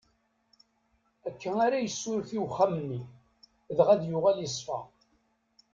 Akka ara yessuref i uxxam-nni, dɣa ad yuɣal iṣfa.